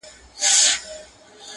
سرلوړى مي دئ د قام او د زامنو!!